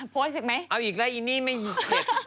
โพสต์สิกไหมเอาอีกแล้วอีนี่ไม่อยู่ที่นี่